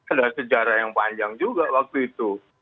ada sejarah yang panjang juga waktu itu